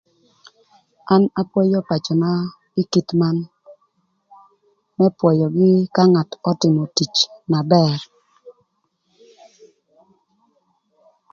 An apwoyo pacöna ï kit man, më pwöyögï ka ngat ötïmö tic na bër.